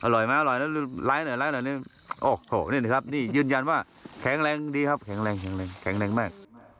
อร่อยไหมอร่อยแล้วร้ายหน่อยร้ายหน่อยนี่ออกโถนี่นะครับนี่ยืนยันว่าแข็งแรงดีครับแข็งแรงแข็งแรงแข็งแรงมาก